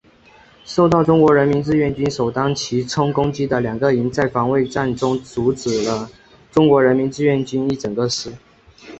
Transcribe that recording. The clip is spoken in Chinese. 受到中国人民志愿军首当其冲攻击的两个营在防御战中阻止了中国人民志愿军一整个师。